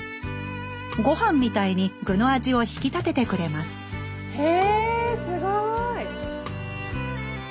ご飯みたいに具の味を引き立ててくれますへぇすごい！